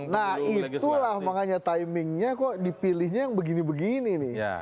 nah itulah makanya timingnya kok dipilihnya yang begini begini nih